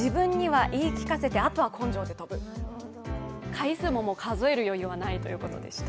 回数も数える余裕はないということでした。